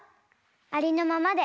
ありのままで。